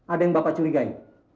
ada yang bapak curigai